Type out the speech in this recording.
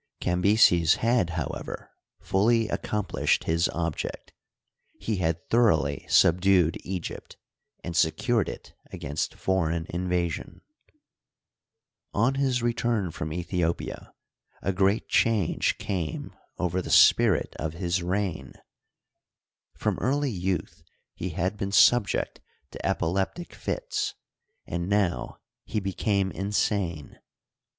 Cambyses had, however, fully accom plished his object : he had thoroughly subdued Egypt, and secured it against foreign invasion. On his return from Aethiopia a great change came Digitized byCjOOQlC 138 HISTORY OF EGYPT. over the spirit of his reign. From eaiiy youth he had been subject to epileptic nts, and now he became insane.